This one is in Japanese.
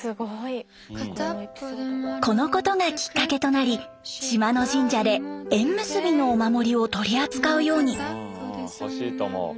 このことがきっかけとなり島の神社で縁結びのお守りを取り扱うように。